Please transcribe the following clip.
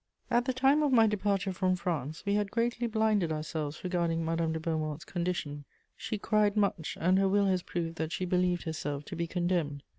* At the time of my departure from France we had greatly blinded ourselves regarding Madame de Beaumont's condition; she cried much, and her will has proved that she believed herself to be condemned.